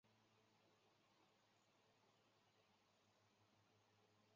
首先要确定主尺度系数和外形轮廓等初始条件。